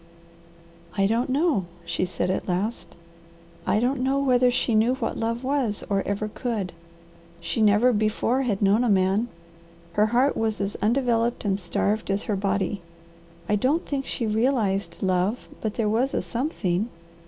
"I don't know," she said at last. "I don't know whether she knew what love was or ever could. She never before had known a man; her heart was as undeveloped and starved as her body. I don't think she realized love, but there was a SOMETHING.